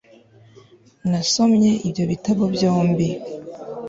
Nasomye ibyo bitabo byombi